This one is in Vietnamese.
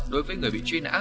đối với người bị truy nã